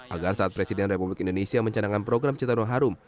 agar saat presiden republik indonesia mencanangkan program citarum harum